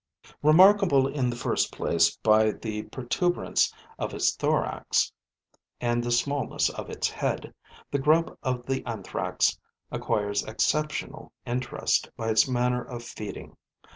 Remarkable in the first place by the protuberance of its thorax and the smallness of its head, the grub of the Anthrax acquires exceptional interest by its manner of feeding.